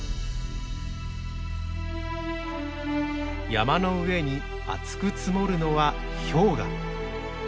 山の上に厚く積もるのは氷河。